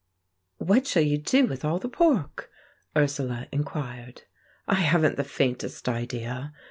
"What shall you do with all the pork?" Ursula inquired. "I haven't the faintest idea!"